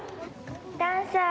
ダンサー？